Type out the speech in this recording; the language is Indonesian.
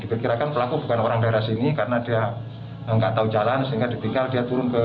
diperkirakan pelaku bukan orang daerah sini karena dia nggak tahu jalan sehingga ditinggal dia turun ke